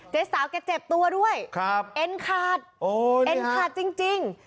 สาวแกเจ็บตัวด้วยเอ็นขาดเอ็นขาดจริง